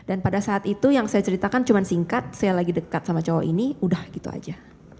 dan pada saat itu yang saya ceritakan cuma singkat saya lagi dekat sama cowok ini sudah gitu saja